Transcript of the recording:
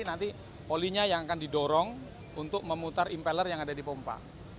nanti olinya yang akan didorong untuk memutar impeller yang ada di pompa